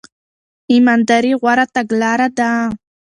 ایمانداري غوره تګلاره ده.